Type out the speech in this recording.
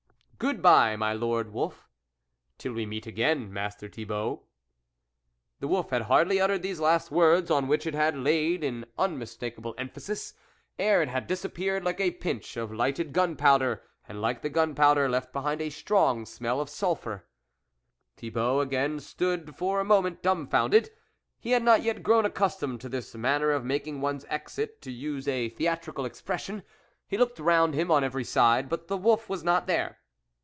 " Good bye, my lord Wolf." "Till we meet again, Master Thi bault." The wolf had hardly uttered these last words, on which it had laid an unmis takeable emphasis, ere it disappeared like a pinch of lighted gun powder, and like the gun powder, left behind a strong smell of sulphur. Thibault again stood for a moment dumbfounded. He had not yet grown accustomed to this manner of making one's exit, to use a theatrical expression ; he looked round him on every side, but the wolf was not there.